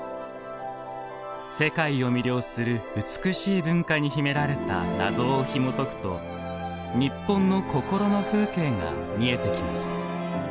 世界を魅了する美しい文化に秘められた謎をひもとくと日本の心の風景が見えてきます。